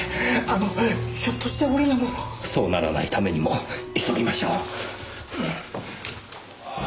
あのひょっとして俺らも？そうならないためにも急ぎましょう。